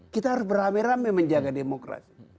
kita harus beramai ramai menjaga demokrasi